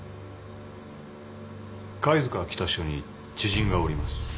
貝塚北署に知人がおります。